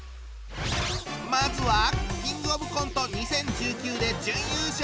まずは「キングオブコント２０１９」で準優勝。